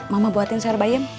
mama buatin serbaim